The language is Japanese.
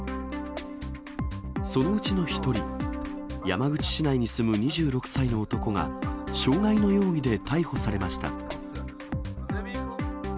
そのうちの１人、山口市内に住む２６歳の男が、傷害の容疑で逮捕されました。